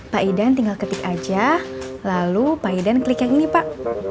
pak idan tinggal ketik aja lalu pak idan klik yang ini pak